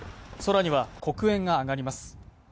空には黒煙が上がります。